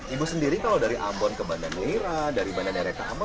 ibu sendiri kalau dari ambon ke banda neira dari bandara ke ambon